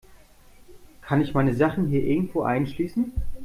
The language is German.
Kann ich meine Sachen hier irgendwo einschließen?